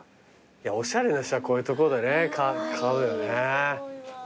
おしゃれな人はこういう所でね買うよね。